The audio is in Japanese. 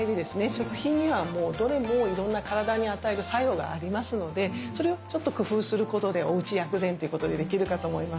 食品にはどれもいろんな体に与える作用がありますのでそれをちょっと工夫することでおうち薬膳ということでできるかと思います。